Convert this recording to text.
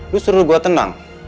lo suruh gue tenang